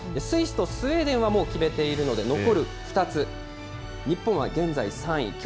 スイスとスウェーデンはもう決めているので、残る２つ、日本は現在３位。